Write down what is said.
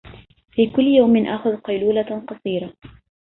في كل يوم آخذ قيلولة قصيرة.